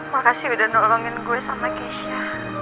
makasih udah nolongin gue sama keisha